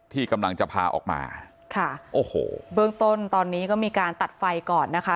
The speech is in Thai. ที่กำลังจะพาออกมาค่ะโอ้โหเบื้องต้นตอนนี้ก็มีการตัดไฟก่อนนะคะ